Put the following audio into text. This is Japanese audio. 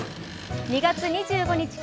２月２５日